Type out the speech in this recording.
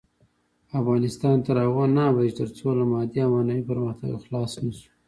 افغانستان تر هغو نه ابادیږي، ترڅو له مادي او معنوي پرمختګ خلاص نشو.